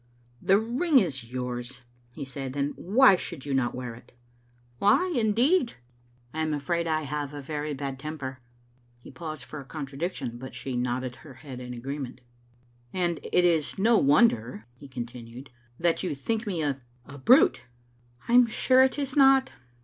"The ring is yours," he said, "and why should you not wear it>" "Why, indeed?" Digitized by VjOOQ IC f n Approval ot TBlomen. in " I am afraid I have a very bad temper." He paused for a contradiction, but she nodded her head in agreement. " And it is no wonder," he continued, " that you think me a — a brute." "I'm sure it is not."